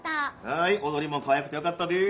はい踊りもかわいくてよかったです。